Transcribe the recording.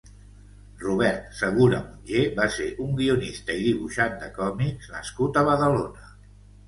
Robert Segura Mongé va ser un guionista i dibuixant de còmics nascut a Badalona.